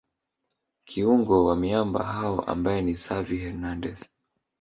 kiungo wa miamba hao ambaye ni Xavi Hernandez